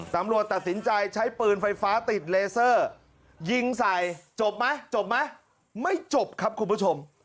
ตำรวจตัดสินใจใช้ปืนไฟฟ้าติดเลเซอร์ยิงใส่จบไหมจบไหมไม่จบครับคุณผู้ชม